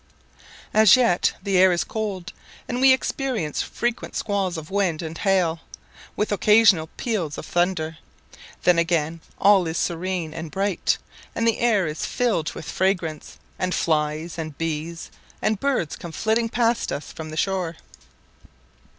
As yet, the air is cold, and we experience frequent squalls of wind and hail, with occasional peals of thunder; then again all is serene and bright, and the air is filled with fragrance, and flies, and bees, and birds come flitting past us from the shore.